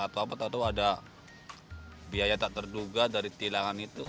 atau ada biaya tak terduga dari tilangan itu